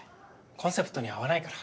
コンセプトに合わないから。